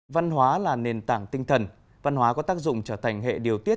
văn hóa là nền tảng tinh thần văn hóa có tác dụng trở thành hệ điều tiết